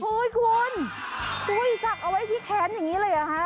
โอ้ยคุณสักเอาไว้ที่แขนอย่างนี้เลยหรือยังฮะ